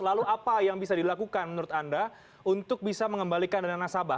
lalu apa yang bisa dilakukan menurut anda untuk bisa mengembalikan dana nasabah